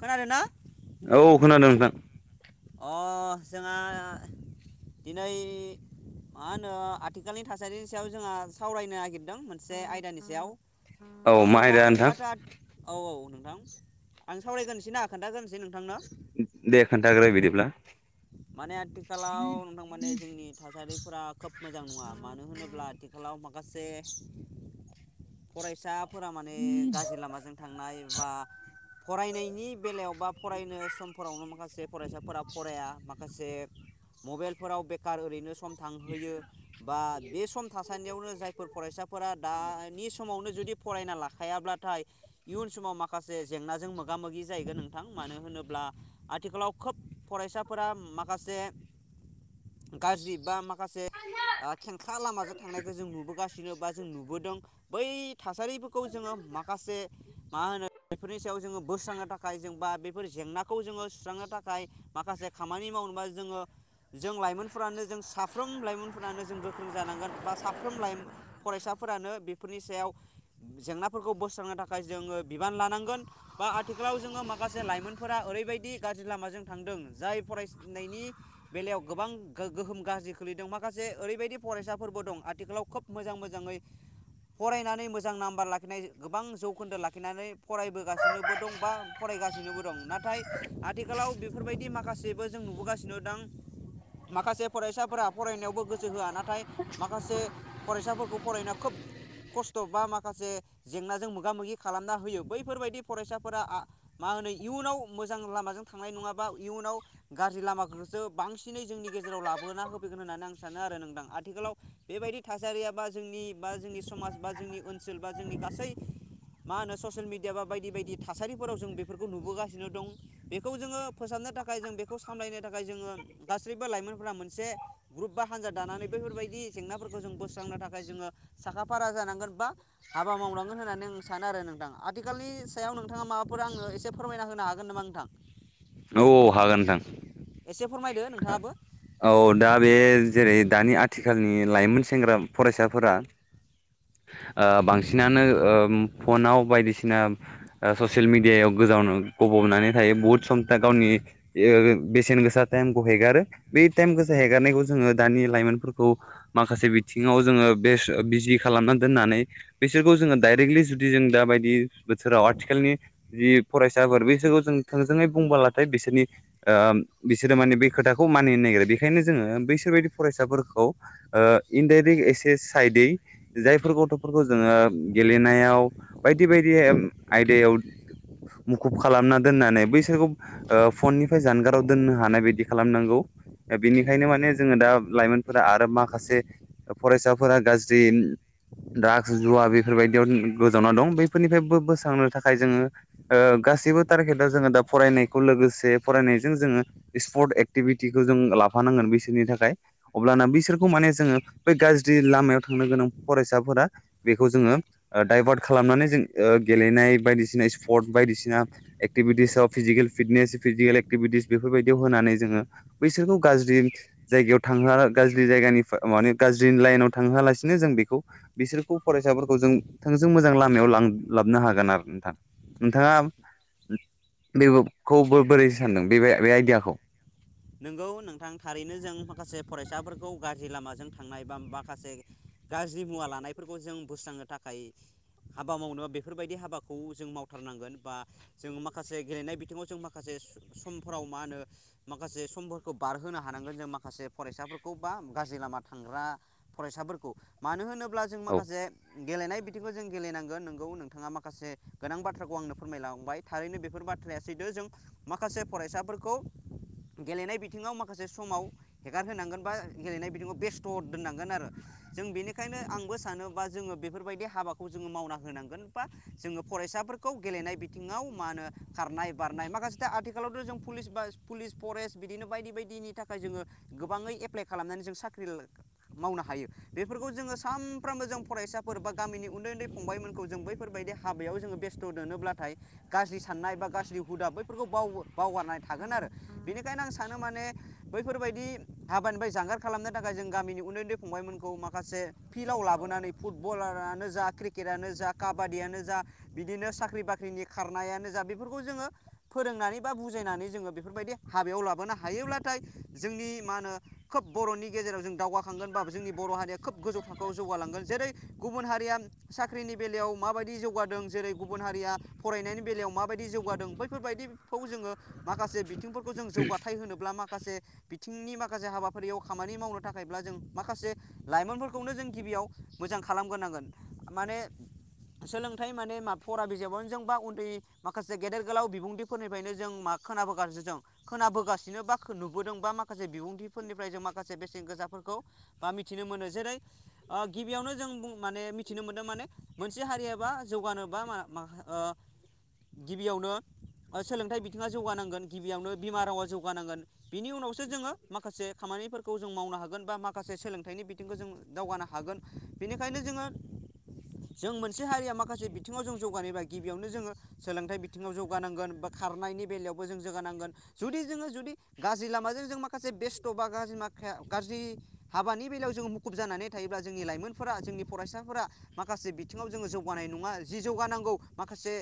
खोनादोंना औ खोनादों नोंथां। अ जोंङा दिनै मा होनो आथिखालनि थासारिनि सायाव जोंहा सावरायनो नागिरदों मोनसे आयदानि सायाव अ औ मा आयदा नोंथां माथो आथ औ औ। नोंथां आं सावरायग्रोनसै ना खोन्थागोन दे खोन्थाग्रो बिदिब्ला माने आथिखालाव नोंथां माने जोंनि थासारिफोरा खोब मोजां नंङा मानो होनोब्ला आथिखालाव माखासे फरायसा फोरा माने गाज्रि लामाजों थांनाय बा फरायनायनि बेलायाव बा फरायनो समफोरावनो माखासे फरायसाफोरा फराया माखासे मबाइलफोराव बेखार ओरैनो सम थांहोयो बा बे सम थासान्दियावनो जायफोर फरायसाफोरा दानि समावनो जुदि फरायना लाखायाब्लाथाय इयउन सम माव माखा जेंनाजों मोग मोगा मोगि जाहगोन नोंथां मानो होनोब्ला आथिखालाव खोब फरायसा फोरा माखासे गाज्रि बा माखा माखासे खेंख्रा लामाजों थांनायखौ जों नुबोगासिनो बा जों नुबोदों बै थासारिफोरखौ जोंङो माखासे मा होनो बेफोरनि सायाव जोंङो बोस्रांनो थाखाय जों बा बे फोर जेंना खौ जोंङो सुस्रांनो थाखाय माखासे खानि मावनोबा जोंङो जों लाइमोनफोरानो जों साफ्रोम लाइमोनफोरानो जों गोख्रों जानांगोन बा साफ्रोम फरायसाफोरानो बेफोरनि सायाव जेंनाफोरखौ बोस्रांनो थाखाय जोंङो बिबान लानांगोन बा आथिखालाव जोंङो माखासे लाइमोनफोरा ओरैबायदि गाज्रि लामाजों थांदों जाय फरायनायनि बेलायाव गोबां गोहोम गाज्रि खोलैदों माखासे ओरैबायदि फरायसाफोरबो दं आथिखालाव खोब मोजां मोजांङै फरायनानै मोजां नाम्बार लाखिनाय गोबां जौखोन्दो लाखिनानै फरायबोगासिनोबो दं बा फरायगासिनोबो दं नाथाय आथिखालाव बेफोरबायदि माखासे जों नुबोगासिनो थां माखासे फरायसाफोरा फरायनायावबो गोसो होआ नाथाय माखासे फरायसाफोरखौ फरायनो खोब खस्थ बा माखासे जेंनाजों मोगा मोगि खालामना होयो बैफोरबायदि फरायसाफोरा मा होनो इयुनाव मोजां लामाजों थांनाय नङाबा इयुनाव गाज्रि लामाफोरखौसो बांसिनै जोंनि गेजेराव लाबोना होफैगोन होननानै आं सानो आरो नोंथां आथिखालाव बेबायदि थासारिया बा जोंनि बा जोंनि समाज बा जोंनि ओनसोल बा जोंनि गासै मा होनो ससियेल मेडिया बा बायदि बायदि थासारिफोराव जों बेफोरखौ नुबोगासिनो दं बेखौ जोङो फोसाबनो थाखाय जों बेखौ सामलायनो थाखाय जोङो गासैबो लाइमोनफोरा मोनसे ग्रुप बा हान्जा दानानै बेफोरबायदि जेंनाफोरखौ जों बोस्रांनो थाखाय जोङो साखाफारा जानांगोन बा हाबा मावनांगोन होननानै आं सानो आरो नोंथां आथिखालनि सायाव नोंथाङा माबाफोर आंनो एसे फोरमायना होनो हागोन नामा नोंथां औ हागोन नोंथां एसे फोरमायदो नोंथाङाबो औ दा बे जेरै दानि आथिखालनि लाइमोन सेंग्रा फरायसाफोरा बांसिनानो फनाव बायदिसिना ससियेल मिडियायाव गोजावनो गबबनानै थायो बहुद समथे गावनि बेसेन गोसा टाइमखौ हेगारो बे टाइम गोसा हेगारनायखौ जोङो दानि लाइमोनफोरखौ माखासे बिथिङाव जोङो बेस बिजि खालामना दोननानै बिसोरखौ जोङो डाइरेक्टलि जुदि जों दााबायदि बोथोराव आथिखालनि जि फरायसाफोर बिसोरखौ जों बुंबालाथाय बिसोरनि बिसोरो माने बे खोथाखौ मानिनो नागिरो बेनिखायनो जोङो बैसोरबायायदि फरायसाफोरखौ इनडरेक्ट एसे साइदै जाय गथफोरखौ जोङो गेलेनायाव बायदि बायदि आयदायाव मुखुब खालामना दोननानै ब बिसोरखौ फननिफ्राय जानगाराव दोननो हानाय बायदि खालामनांगौ बिनिखायनो माने जोङो दा लाइमोनफोरा आरो माखासे फरायसाफोरा गाज्रि द्रागस जुवा बेफोरबायदियाव गोजावना दं बैफोरनिफ्रायबो बोस्रांनो थाखाय जोङो ओ‌ गासिबो टारगेटआव जोङो दा फरायनायखौ लोगोसे फरायनायजों जोङो स्पर्ट एक्टिभिटिखौ जों लाफानांगोन बिसोरनि थाखाय अब्लाना बिसोरखौ माने जोङो बै गाज्रि लामायाव थांनो गोनां फरायसाफोरा बेखौ जोङो दडाइभार्ट खालामनानै जों गेलेनाय बायदिसिना स्पर्ट बायदिसिना एक्टिभिटिसफ फिजिकेल फिटनेस फिजिकेल एक्टिभिटिस बेफोरबायदियाव होनानै जोङो बैसोरखौ गाज्रि जायगायाव थांहोआ गाज्रि जायगानि माने गाज्रि लाइनाव थांहोआलासिनो जों बेखौ बिसोरखौ फरायसाफोरखौ जों थोंजों मोजां लामायाव लां लाबनो हागोन आरो नोंथां नोंथाङा बेबबखौबो बोरै सानदों बे बे आइदियाखौ नोंगौ नोंथां थारैनो जों माखासे फरायसाफोरखौ गाज्रि लामाजों थांनाय बा माखासे गाज्रि मुवा लानायफोरखौ जों बोस्रांनो थाखाय हाबा मावनो बेफोरबायदि हाबाखौ जों मावथारनांगोन बा जों माखासे गेलेनाय बिथिङाव जों माखासे समफोराव मा ओनो माखासे समफोरखौ बारहोनो हानांगोन जों माखासे फरायसाफोरखौ बा गाज्रि लामा थांग्रा फरायसाफोरखौ मानो होनो जों औ माखासे गेलेनाय बिदिखौ जों गेलेनांगोन नोंगौ नोंथाङा माखासे गोनां बाथ्राखौ आंनो फोरमायलांबाय थारैनो बेफोर बाथ्राया सैथो जों माखासे फरायसाफोरखौ गेलेनाय बिथिङाव माखासे समाव हेगारहोनांगोन बा गेलेनाय बिथिङाव बेस्थ दोननांगोन आरो जों बेनिखायनो आंबो सानोबा जोङो बेफोरबायदि हाबाखौ जोङो मावना होनांगोन बा जोङो फरायसाफोरखौ गेलेनाय बिथिङाव मा ओनो खारनाय बारनाय माखासेथा आथिखालावथ जों पुलिस बा पुलिस फरेस्ट बिदिनो बायदि बायदिनि थाखाय जोङो गोबाङै एप्लाइ खालामनानै जों साख्रि ला मावनो हायो बेफोरखौ जोङो सानफ्रामबो जों फरायसाफोर बा गामिनि उन्दै उन्दै फंबायमोनखौ जों बैफोरबायदि हाबायाव जोङो बेस्थ दोनोब्लाथाय गाज्रि साननाय बा गाज्रि हुदा बैफोरखौ बाव बावगारनाय थागोन आरो बिनिखायनो आं सानो माने बैफोरबायदि हाबानिफाय जानगार खालामनो थाखाय जों गामिनि उन्दै उन्दै फंबायमोनखौ माखासे फिलाव लाबोनानै फुटबलारानो जा क्रिकेदानो जा काबादियानो जा बिदिनो साख्रि बाख्रिनि खारनायानो जा बेफोरखौ जोङो फोरोंनानै बा बुजायनानै जोङो बेफोर फोरबायदि हाबायाव लाबोनो हायोब्लाथाय जोंनि मा ओनो खोब बर नि गेजेराव जों दावगाखांगोन बा जोंनि बर हारिया खोब गोजौ थाखोआव जौगालांगोन जेरै गुबुन हारिया साख्रिनि बेलायाव माबायदि जौगादों जेरै गुबुन हारिया फरायनायनि बेलायाव माबायदि जौगादों बैफोरबायदिखौ जोङो माखासे बि थिंफोरखौ जों जौगाथाय होनोब्ला मा खासे बिथिंनि माखासे हाबाफारियाव खामानि मावनो थाखायब्ला जों माखासे लाइमोनफोरखौनो जों गिबियाव मोजां खालामगोरनांगोन माने सोलोंथाइ माने मा फरा बिजाबावनो जों बा उन्दै माखासे गेदेर गोलाव बिबुंथिफोरनिफायनो जों मा खोनाबोगासि जों खोनाबोगासिनो बाखो नुबोदों बा माखासे बिबुंथिफोरनिफ्राय जों माखासे बेसेन गोजाफोरखौ बा मिथिनो मोनो जेरै ओ गिबियावनो जों बुं माने मिथिनो मोनदों माने मोनसे हारि एबा जौगानो बा मा मा ओ गिबियावनो ओ सोलोंथाइ बिथिङा जौगानांगोन गिबियावनो बिमा रावा जौगानांगोन बिनि उनावसो जोङो माखासे खामानिफोरखौ जों मावनो हागोन बा माखासे सोलोंथाइनि बिथिंखो जों दावगानो हागोन बिनिखायनो जोङो जों मोनसे हारिया माखासे बिथिङाव जों जौगानायबा गिबियावनो जोङो सोलोंथाइ बिथिङाव जौगानांगोन बा खारनायनि बेलायावबो जों जोगानांगोन जुदि जोङो जुदि गाज्रि लामाजों जों मा खासे बेस्त बा गाज्रि माखायाव गाज्रि हाबानि बेलायाव जोङो मुखुब जानानै थायोब्ला जोंनि लाइमोनफोरा जोंनि फरायसाफोरा माखासे बिथिङाव जोङो जौगानाय नङा जि जौगानांगौ माखासे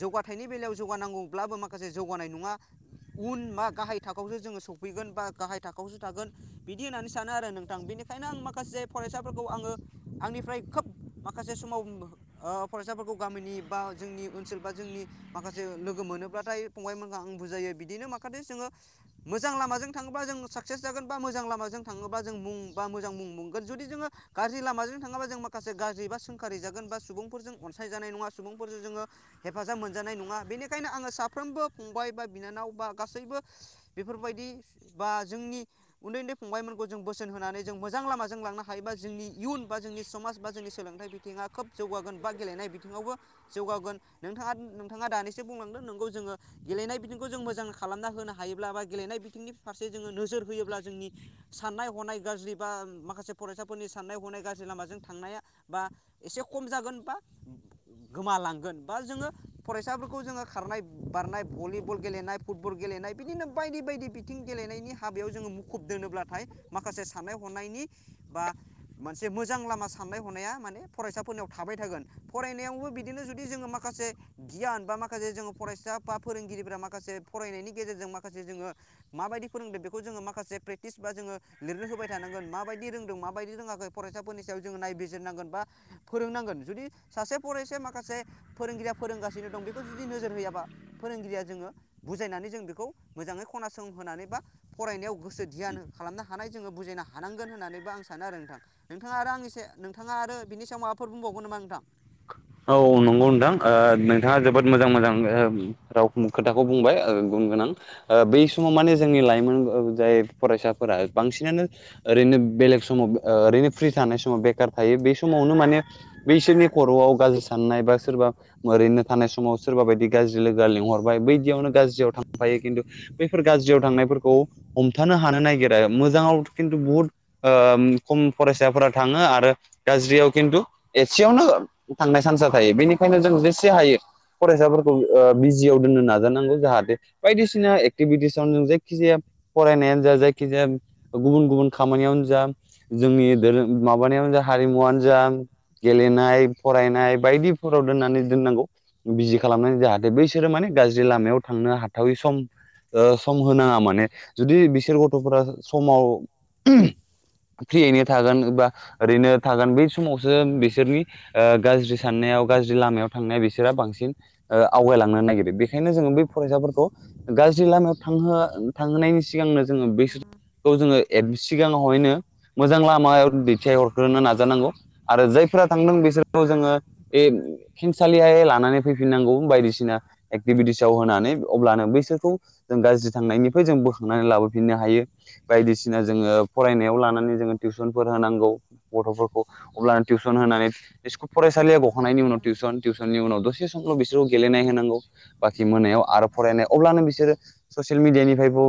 जौगाथायनि बेलायाव जौगानांगौब्लाबो माखासे जौगानाय नङा उन मा गाहाय थाखोआवसो जोङो सौफैगोन बा गाहाय थाखोआवसो थागोन बिदि होननानै सानो आरो नोंथां बेनिखायनो आं माखासे फरायसाफोरखौ आङो आंनिफ्राय खोब माखासे समाव ओ फरायसाफोरखौ गामिनि बा जोंनि ओनसोल बा जोंनि माखासे लोगो मोनोब्लाथाय फंबाय मोनगो आं बुजायो बिदिनो माखादे जोङो मोजां लामाजों थाङोबा जों साक्सेस जागोन बा मोजां लामाजों थाङोबा जों मुं बा मोजां मुं मोनगोन जुदि जोङो गाज्रि लामाजों थाङोबा जों माखासे गाज्रि बा सोंखारि जागोन बा सुबुंफोरजों अनसायजानाय नङा सुबुंफोरजों जोङो हेफाजाब मोनजानाय नङा बेनिखायनो आङो साफ्रोमबो फंबाय बा बिनानाव बा गासैबो बेफोरबायदि बा जोंनि उन्दै उन्दै फंबायमोनखौ जों बोसोन होनानै जों मोजां लामाजों लांनो हायोबा जोंनि इयुन बा जोंनि समाज बा जोंनि सोलोंथाइ बिथिङा खोब जौगागोन बा गेलेनाय बिथिङावबो जौगागोन नोंथाङा नोंथाङा दानिसो बुंलांदों नोंगौ जोङो गेलेनाय बिथिं खौ जों मोजां खालामना होनो हायोब्ला बा गेलेनाय बिथिंनि फारसे जोङो नोजोर होयोब्ला जोंनि साननाय हनाय गाज्रि बा माखासे फरायसाफोरनि साननाय हनाय गाज्रि लामाजों थांनाया बा एसे खम जागोन बा गोमालांगोन बा जोङो फरायसाफोरखौ जोङो खारनाय बारनाय भलिब बल गेलेनाय फुटबल गेलेनाय बिदिनो बायदि बायदि बिथिं गेलेनायनि हाबायाव जोङो मुखुब दोनोब्लाथाय माखासे साननाय हनायनि बा मोनसे मोजां लामा साननाय हनाया माने फरायसाफोरनाव थाबाय थागोन फरायनायावबो बिदिनो जुदि जोङो माखासे गियान बा माखासे जोङो फरायसा बा फोरों गिरिफोरा माखासे फरायनायनि गेजेरजों माखासे जोङो माबायदि फोरोंदों बेखौ जोङो माखासे प्रेक्टिस बा जोङो लिरनो होबाय थानांगोन माबायदि रोंदों माबायदि रोङाखै फरायसाफोरनि सायाव जोङो नायबिजिरनांगोन बा फोरोंनांगोन जुदि सासे फरायसाया माखासे फोरोंगिरिया फोरोंगासिनो दं बेखौ जुदि नोजोर होयाबा फोरोंगिरिया जोङो बुजायनानै जों बेखौ मोजाङै खनासं होनानै बा फरायनायाव गोसो ध्यान खालामनो हानाय जोङो बुजायनो हा हानांगोन होननानैबो आं सानो आरो नोंथां नोंथाङा आरो आंनि सा नोंथाङा आरो बिनि सायाव माबाफोर बुंबावगोन नामा नोंथां? औ नंगौ नोंथां ओ नोंथाङा जोबोद मोजां मोजां ओ राव खोथाखौ बुंबाय ओ गुनगोनां ओ बै समाव माने जोंनि लाइमोन जाय फरायसाफोरा बांसिनानो ओरैनो बेलेग समाव ओ ओरैनो फ्रि थानाय समाव बेखार थायो बे समावनो माने बैसोरनि खर' वाव गाज्रि साननाय बा सोरबा ओरैनो थानाय समाव सोरबा बायदि गाज्रि लोगोआ लेंहरबाय बैदियावनो गाज्रियाव थांफायो किन्तु बैफोर गाज्रियाव थांनायफोरखौ हमथानो हानो नागिरा मोजाङाव किन्तु बुहुत ओ खम फरायसाफोरा थाङो आरो गाज्रियाव किन्तु एसेयावनो थांनाय सान्सा थायो बेनिखायनो जों जेसे हायो फरायसाफोरखौ ओ बिजियाव दोननो नाजानांगौ जाहाते बायदिसिना एक्टिभिटिसावनो जों जायखिजाया फरायनायानो जा जायखिजाया गुबुन गुबुन खामानियावनो जा जोंनि दोरो माबानायावनो जा हारिमुवानो जा गेलेनाय। फरायनाय बायदिफोराव दोननानै दोननांगौ बिजि खालामनानै जाहाथे बैसोरो माने गाज्रि लामायाव थांनो हाथावै सम ओ सम होनाङा माने जुदि बिसोर गथ' फोरा समाव फ्रियैनो थागोन बा ओरैनो थागोन बै समावसो बिसोरनि ओ गाज्रि साननायाव गाज्रि लामायाव थांनाया बिसोरा बांसिन ओ आवगायलांनो नागिरो बेखायनो जोङो बै फरायसाफोरखौ गाज्रि लामायाव थांहोआ थांहोनायनि सिगांनो जोङो बिसोरखौ जोङो एद सिगाङावहायनो मोजां लामायाव दैथाय हरग्रोनो नाजानांगौ आरो जायफोरा थांदों बिसोर खौ जोङो बे खेंसालियाहै लानानै फैफिननांगौ बायदिसिना एक्टिभिटिसाव होनानै अब्लानो बैसोरखौ जों गाज्रि थांनायनिफ्राय जों बोखांनानै लाबोफिननो हायो बायदिसिना जोङो फरायनायाव लानानै जोङो टिउसनफोर होनांगौ गथ' फोरखौ अब्लानो टिउसन होनानै स्कु फरायसालिया बखांनायनि उनाव टिउसन टिउसननि उनाव दसे समल बिसोरखौ गेलेनाय होनांगौ बाखि मोनायाव आरो फरायनाय अब्लानो बिसोरो ससियेल मिडियानिफायबो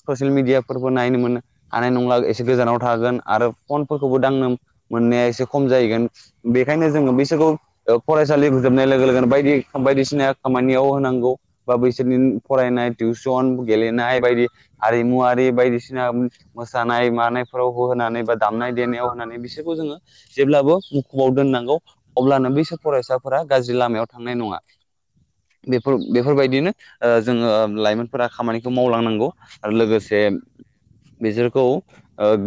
ससियेल मिडिया फोरखौ नायनो मोन हानाय नंला एसे गोजानाव थागोन आरो फनफोरखौबो दांनो मोननाया एसे खम जाहैगोन। बेखायनो जोङो बैसोरखौ ओ फरायसालि जोबनाय लोगो लोगोनो बायदि बायदिसिना खामानियाव होनांगौ बा बैसोरनि फरायनाय टिउसन गेलेनाय बायदि आरिमुवारि बायदिसिना मोसानाय मानाय फोरावबो होनानै बा दामनाय देनायाव नानै बिसोरखौ जोङो जेब्लाबो अवाव दोननांगौ अब्लानो बैसोर फरायसाफोरा गाज्रि लामायाव थांनाय नङा बेफोर बेफोरबायदिनो ओ जोङो लाइमोनफोरा खामानिखौ मावलांनांगौ आर लोगोसे बिसोरखौ ओ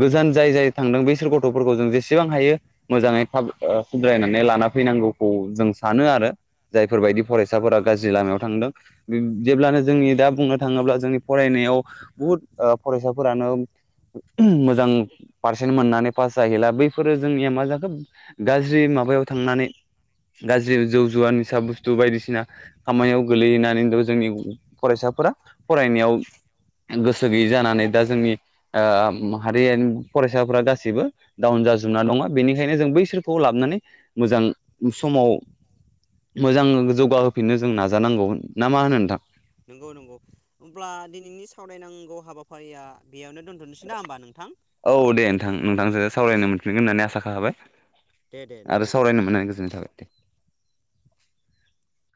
गोजान जाय जाय थांदों बैसोर गथ' फोरखौ जों जेसेबां हायो मोजाङै खाब ओ सुद्रायनानै लाना फैनांगौखौ जों सानो आरो जायफोरबायदि फरायसाफोरा गाज्रि लामायाव थांदों बिब जेब्लानो जोंनि दा बुंनो थाङोब्ला जोंनि फरायनायाव बुहुद ओ फरायसाफोरानो मोजां पारसेन्ट मोननानै पास जाहैला बैफोरो जोंनिया मा जाखो गाज्रि माबायाव थांनानै गाज्रि जौ जुवा निसा बुस्थु बायदिसिना खामानियाव गोलैैनानैथ' जोंनि फरायसाफोरा फरायनायाव गोसो गैयै जानानै ओ दा जोंनि ओ माहारियार फरायसाफोरा गासैबो डाउन जाजोबना दङ बेनिखायनो जों बैसोर खौ लाबनानै मोजां समाव मोजां जौगा होफिननो जों नाजा नोंगौ नोंगौ अब्ला दिनैनि सावरायनांगौ हाबाफारिया बेयावनो दोनथ' नोसै ना होमबा नोंथां? औ दे नोंथां नोंथांजों औ सावरायनो मोनफिनगोन होननानै आसा थाबाय। दे दे आरो नंगौ औ सावरायनो मोननानै गोजोननाय थाबाय। [inaudible]